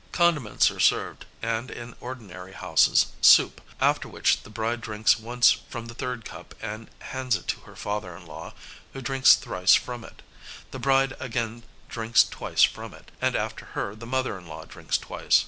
Condiments are served, and, in ordinary houses, soup; after which the bride drinks once from the third cup and hands it to her father in law, who drinks thrice from it; the bride again drinks twice from it, and after her the mother in law drinks thrice.